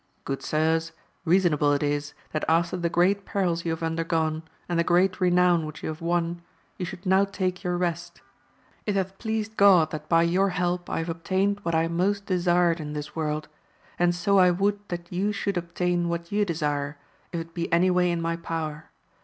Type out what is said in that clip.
Good sirs, reasonable it is, that after the great perils you have undergone, and the great renown which ye have won, ye should now take your rest ; it hath pleased God that by your help I have obtained what I most desired in this world, and so I would that ye should obtain what ye desire, if it be any way in my power.